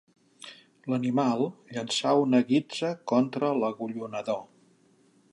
L'animal llançà una guitza contra l'agullonador.